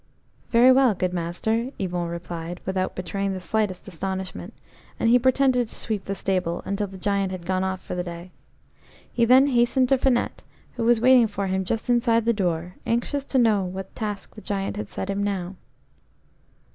"Very well, good master," Yvon replied, without betraying the slightest astonishment; and he pretended to sweep the stable until the Giant had gone off for the day. He then hastened to Finette, who was waiting for him just inside the door, anxious to know what task the Giant had set him now.